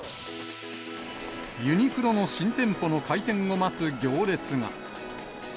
ユニクロの新店舗の開店を待つ行列が。